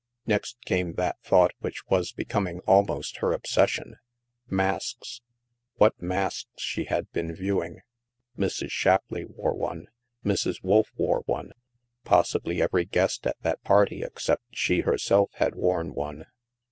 Next came that thought which was becoming al most her obsession. Masks ! What masks she had been viewing! Mrs. Shapleigh wore one. Mrs. Wolf wore one. Possibly every guest at that party, except she, herself, had worn one.